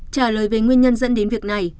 trả lời về nguyên nhân dẫn đến việc này